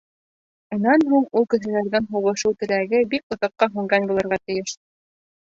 Унан һуң ул кешеләрҙең һуғышыу теләге лә бик оҙаҡҡа һүнгән булырға тейеш.